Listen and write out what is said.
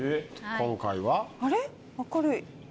今回は？